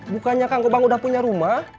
bukannya kang gouw bang udah punya rumah